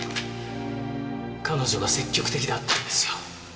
彼女が積極的だったんですよ。